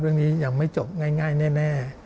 เรื่องนี้ยังไม่จบง่ายแน่